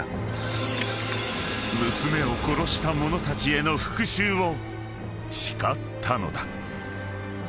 ［娘を殺した者たちへの復讐を誓ったのだ］